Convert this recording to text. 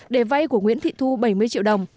để vay của nguyễn thị thu bảy mươi triệu đồng